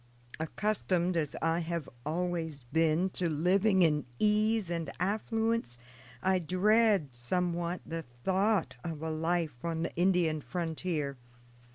"Accustomed as I have always been to living in ease and affluence, I dread, somewhat, the thought of a life on the Indian frontier.